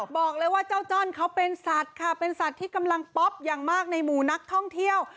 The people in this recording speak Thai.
บอกเลยว่าเจ้าจ้อนเขาเป็นสัตว์ค่ะเป็นสัตว์ที่กำลังป๊อปอย่างมากในหมู่นักท่องเที่ยว